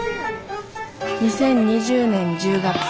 ２０２０年１０月。